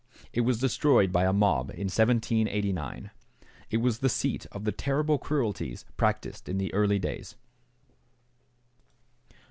It was destroyed by a mob in 1789. It was the seat of the terrible cruelties practiced in the early days.